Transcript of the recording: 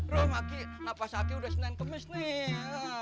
rum aki napas aki udah seneng seneng nih